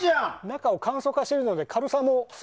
中を簡素化してるので軽さも。